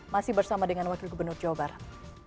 masih bersama dengan wakil gubernur jawa barat